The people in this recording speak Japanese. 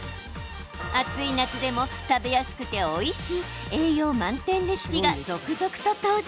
暑い夏でも食べやすくておいしい栄養満点レシピが続々と登場。